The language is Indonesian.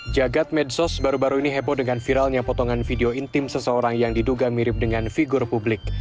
jagad medsos baru baru ini heboh dengan viralnya potongan video intim seseorang yang diduga mirip dengan figur publik